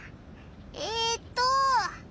えっと。